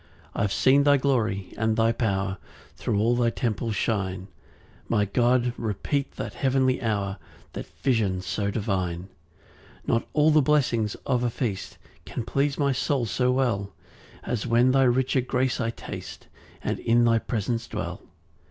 3 I've seen thy glory and thy power Thro' all thy temple shine; My God, repeat that heavenly hour, That vision so divine. 4 Not all the blessings of a feast Can please my soul so well, As when thy richer grace I taste, And in thy presence dwell.